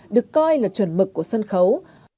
được coi là chuẩn mực của sân khấu